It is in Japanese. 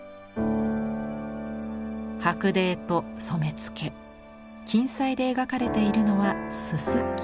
白泥と染付金彩で描かれているのはすすき。